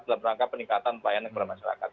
dalam rangka peningkatan pelayanan kepada masyarakat